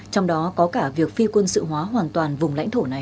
trong đó có cả việc phi quân sự hóa hoàn toàn vùng lãnh thổ này